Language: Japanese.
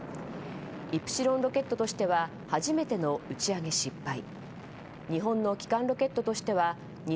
イプシロンロケットとしては初めての打ち上げ失敗。